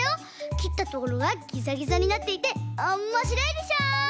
きったところがギザギザになっていておもしろいでしょ。